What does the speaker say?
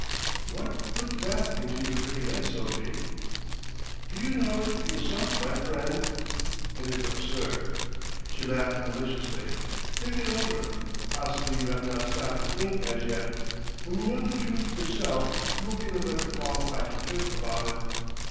"What put that into your pretty head, Sophie?" "Do you not know it yourself, my friend?" "It is absurd." She laughed maliciously. "Think it over. Possibly you have not stopped to think as yet. When you know the truth yourself, you will be the better qualified to fib about it.